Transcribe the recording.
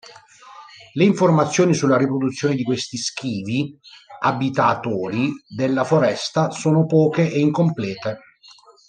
Le informazioni sulla riproduzione di questi schivi abitatori della foresta sono poche e incomplete.